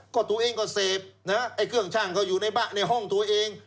ก็ตัวเองก็เสพไอ้เครื่องช่างก็อยู่ในห้องตัวเอง